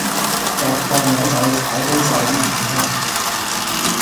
挖礦友仔炒高哂啲顯卡